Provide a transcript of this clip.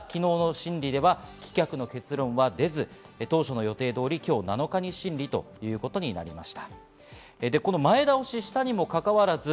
ただ、昨日の審理では棄却の結論は出ず、当初の予定通り今日７日に審理ということになりました。